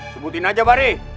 sebutin aja bari